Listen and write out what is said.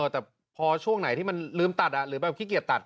แต่พอช่วงไหนที่มันลืมตัดหรือแบบขี้เกียจตัด